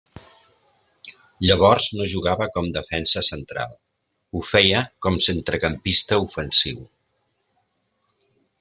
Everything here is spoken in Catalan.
Llavors no jugava com defensa central, ho feia com centrecampista ofensiu.